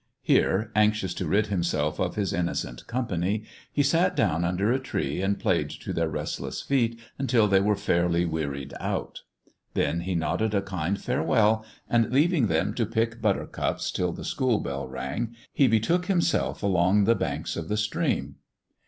Here, anxious to rid himself of his innocent company, he sat down under a tree, and played to their restless feet until they were fairly wearied out. Then he nodded a kind farewell, and leaving them to pick butter cups till the school bell rang, he betook himself along the banks of the stream.